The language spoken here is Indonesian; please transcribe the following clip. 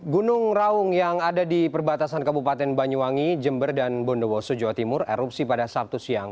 gunung raung yang ada di perbatasan kabupaten banyuwangi jember dan bondowoso jawa timur erupsi pada sabtu siang